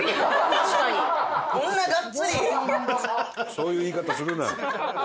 そういう言い方するな！